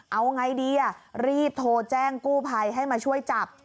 เอาไงดีรีบโทรแจ้งกู้ภัยให้มาช่วยจับ